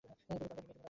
তুমি পারবে মিমি।